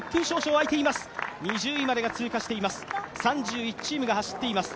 ２０位までが通過しています、３１チームが走っています。